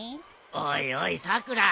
おいおいさくら。